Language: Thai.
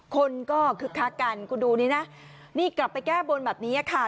คนก็คึกคักกันคุณดูนี่นะนี่กลับไปแก้บนแบบนี้ค่ะ